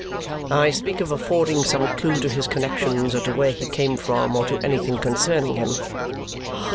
"I speak of affording some clue to his connexions, or to where he came from, or to anything concerning him."